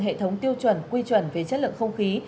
hệ thống tiêu chuẩn quy chuẩn về chất lượng không khí